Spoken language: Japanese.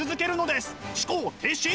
思考停止！